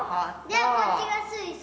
でこっちがスイス？